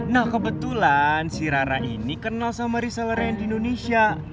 nah kebetulan si rara ini kenal sama reseller rain di indonesia